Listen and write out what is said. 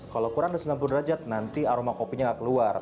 kalau kurang dari sembilan puluh derajat nanti aroma kopinya gak keluar